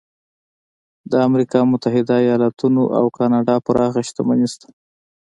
د امریکا متحده ایالتونو او کاناډا پراخه شتمني شته.